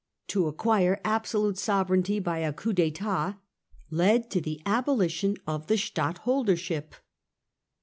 to acquire absolute sovereignty by a coup (tttat, led to the abolition of the stadtholdership.